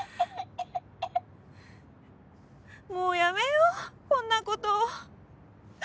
もうやめようこんなこと